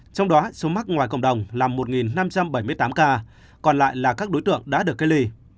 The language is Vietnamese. trong đó số mắc ngoài cộng đồng là một năm trăm bảy mươi tám ca còn lại là các đối tượng đã được cách ly